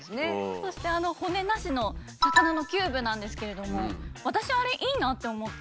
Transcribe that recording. そしてあの骨なしの魚のキューブなんですけれども私あれいいなって思って。